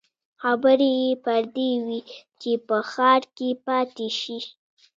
خبرې يې پر دې وې چې په ښار کې پاتې شي.